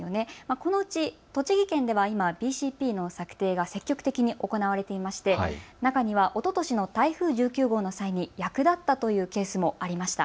このうち栃木県では今、ＢＣＰの策定が積極的に行われていまして中にはおととしの台風１９号の際に役立ったというケースもありました。